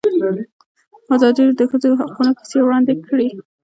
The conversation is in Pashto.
ازادي راډیو د د ښځو حقونه کیسې وړاندې کړي.